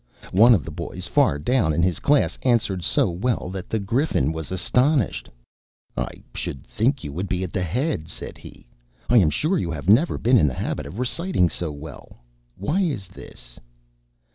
One of the boys far down in his class answered so well that the Griffin was astonished. "I should think you would be at the head," said he. "I am sure you have never been in the habit of reciting so well. Why is this?"